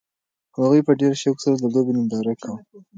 هغوی په ډېر شوق سره د لوبې ننداره کوله.